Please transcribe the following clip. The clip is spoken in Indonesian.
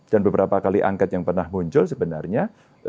dan beberapa kali angkat yang pernah muncul sebenarnya